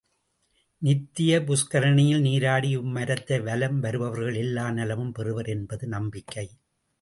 நித்ய புஷ்கரிணியில் நீராடி இம்மரத்தை வலம் வருபவர்கள் எல்லா நலமும் பெறுவர் என்பது நம்பிக்கை.